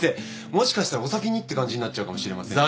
もしかしたらお先にって感じになっちゃうかもしれませんよ。